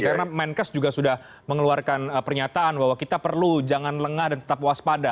karena menkes juga sudah mengeluarkan pernyataan bahwa kita perlu jangan lengah dan tetap waspada